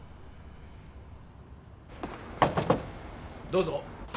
どうぞ。